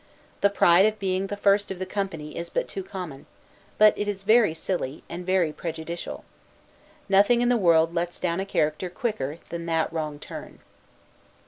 The pride of being the first of the company is but too common; but it is very silly, and very prejudicial. Nothing in the world lets down a character quicker than that wrong turn.